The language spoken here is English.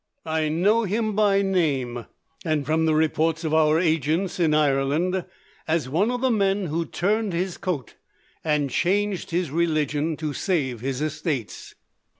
I know him by name, and from the reports of our agents in Ireland, as one of the men who turned his coat and changed his religion to save his estates.